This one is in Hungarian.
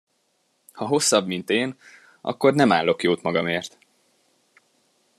Ha hosszabb, mint én, akkor nem állok jót magamért!